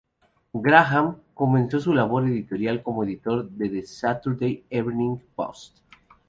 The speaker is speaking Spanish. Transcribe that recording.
Graham comenzó su labor editorial como editor de "The Saturday Evening Post".